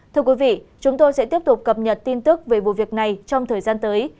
thưa quý vị chúng tôi sẽ tiếp tục cập nhật tin tức về vụ việc này trong thời gian tới